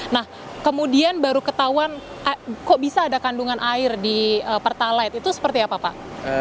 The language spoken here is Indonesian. nah kemudian baru ketahuan kok bisa ada kandungan air di pertalite itu seperti apa pak